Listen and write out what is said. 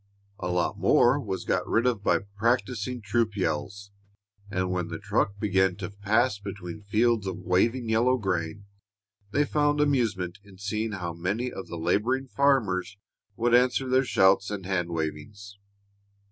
A lot more was got rid of by practising troop yells, and when the truck began to pass between fields of waving yellow grain, they found amusement in seeing how many of the laboring farmers would answer their shouts and hand wavings.